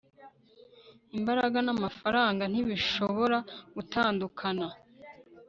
imbaraga n'amafaranga ntibishobora gutandukana